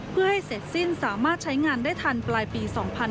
เพื่อให้เสร็จสิ้นสามารถใช้งานได้ทันปลายปี๒๕๕๙